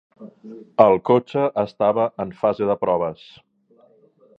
El cotxe estava en fase de proves.